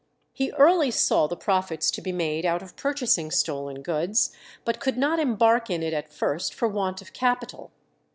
He early saw the profits to be made out of purchasing stolen goods, but could not embark in it at first for want of capital.